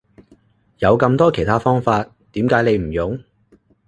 有咁多其他方法點解你唔用？